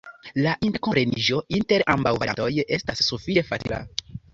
La interkompreniĝo inter ambaŭ variantoj estas sufiĉe facila.